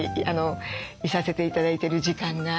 居させて頂いてる時間が。